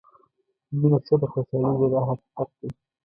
مینه څه ده خوشالۍ ده دا حقیقت دی.